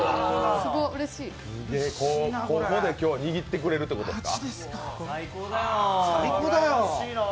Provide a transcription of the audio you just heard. ここで今日は握ってくれるということですか。